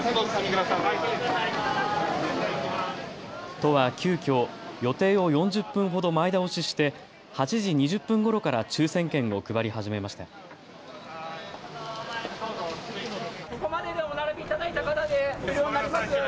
都は急きょ、予定を４０分ほど前倒しして８時２０分ごろから抽せん券を配り始めました。